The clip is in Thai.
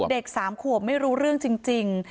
๓ขวบไม่รู้เรื่องจริง